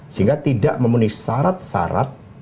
sehingga tidak memenuhi syarat syarat